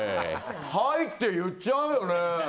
はいって言っちゃうよね。